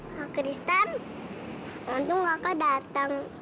kak kristen hantu kakak dateng